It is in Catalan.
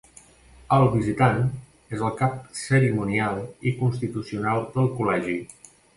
El Visitant és el cap cerimonial i constitucional del col·legi.